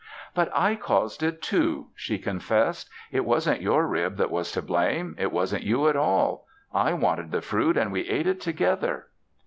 "But I caused it, too," she confessed. "It wasn't your rib that was to blame. It wasn't you at all. I wanted the fruit and we ate it together."